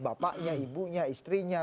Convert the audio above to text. bapaknya ibunya istrinya